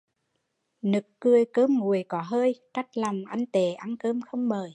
Nực cười cơm nguội có hơi, trách lòng anh tệ, ăn cơm không mời